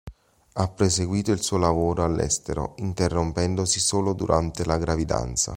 Ha proseguito il suo lavoro all'estero, interrompendosi solo durante la gravidanza.